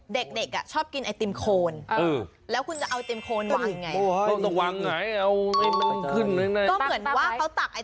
เด็กชอบกินไอติมโคนแล้วคุณจะเอาไอติมโคนวางไง